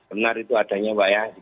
benar itu adanya mbak ya